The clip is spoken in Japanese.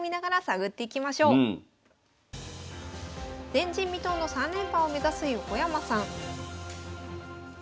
前人未到の３連覇を目指す横山さん。